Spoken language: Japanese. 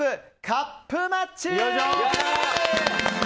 カップマッチ。